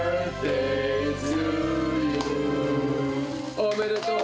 おめでとう！